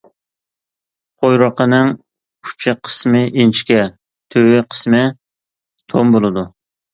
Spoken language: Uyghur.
قۇيرۇقىنىڭ ئۇچى قىسمى ئىنچىكە، تۈۋى قىسمى توم بولىدۇ.